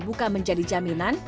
bukan menjadi jaminan